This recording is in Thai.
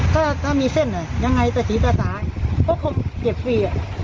ก็ถ้ามีเส้นอ่ะยังไงแต่สีแต่สายก็คงเก็บฟรีอ่ะ